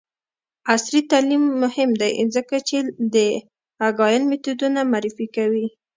عصري تعلیم مهم دی ځکه چې د اګایل میتودونه معرفي کوي.